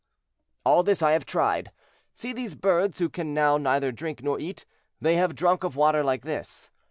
"All this I have tried. See these birds who can now neither drink nor eat; they have drunk of water like this.